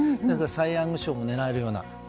サイ・ヤング賞も狙えるような。